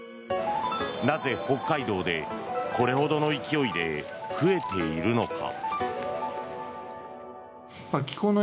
なぜ北海道でこれほどの勢いで増えているのか。